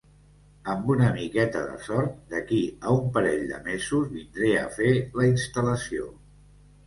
Amb una miqueta de sort, d'aquí a un parell de mesos vindré a fer la instal·lació.